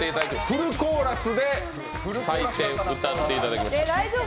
フルコーラスで採点、歌っていただきました。